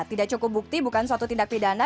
tidak cukup bukti bukan suatu tindak pidana